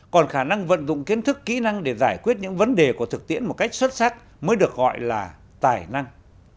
còn khả năng vận dụng kiến thức kỹ năng để giải quyết những vấn đề của thực tiễn một cách xuất sắc mới được gọi là tài năng